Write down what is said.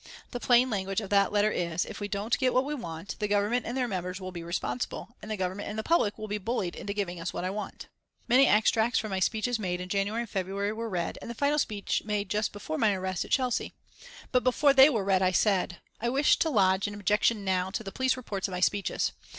The plain language of that letter is, 'If we don't get what we want, the Government and their members will be responsible, and the Government and the public will be bullied into giving us what we want.'" Many extracts from my speeches made in January and February were read, and the final speech made just before my arrest at Chelsea. But before they were read I said: "I wish to lodge an objection now to the police reports of my speeches.